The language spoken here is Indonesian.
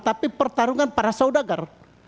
tapi pertarungan para saudagar